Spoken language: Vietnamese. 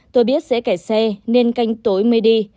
tôi biết sẽ cải xe nên canh tối mới đi